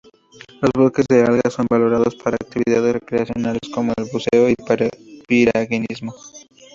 Los bosques de algas son valorados para actividades recreacionales como el buceo y piragüismo.